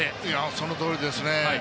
そのとおりですね。